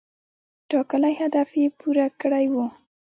ټاکلی هدف یې پوره کړی و.